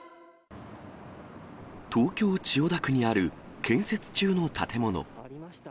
東京・千代田区にある、建設中の建物。